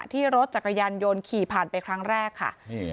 ที่รถจักรยานยนต์ขี่ผ่านไปครั้งแรกค่ะ